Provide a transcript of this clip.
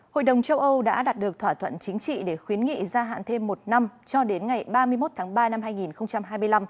hội đồng châu âu đã đạt được thỏa thuận chính trị để khuyến nghị gia hạn thêm một năm cho đến ngày ba mươi một tháng ba năm hai nghìn hai mươi năm